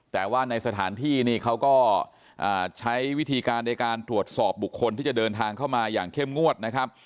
แต่ว่าในสถานที่นี่เขาก็ใช้วิธีการในการตรวจสอบบุคคลที่จะเดินทางเข้ามาอย่างเข้มงวดนะครับ